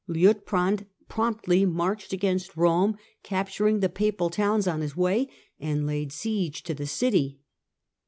Liutprand promptly narched against Eome, capturing the Papal towns on lis way, and laid siege to the city.